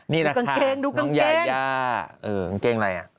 นี่แหละค่ะน้องยาย่ากางเกงอะไร